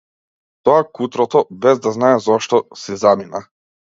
Тоа кутрото, без да знае зошто, си замина.